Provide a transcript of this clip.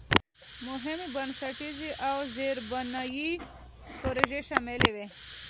مهمې بنسټیزې او زېربنایي پروژې شاملې وې.